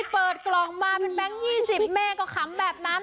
เปิดกล่องมาเป็นแบงค์๒๐แม่ก็ขำแบบนั้น